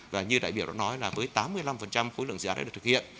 và như đại biểu đã nói là với tám mươi năm khối lượng dự án đã được thực hiện